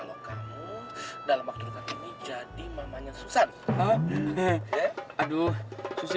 woi dia aku